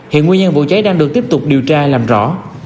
hiện nguyên nhân vụ cháy đang được tiếp tục điều tra làm rõ